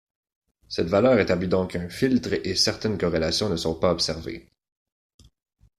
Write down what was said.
Cette valeur établit donc un filtre et certaines corrélations ne seront pas observées.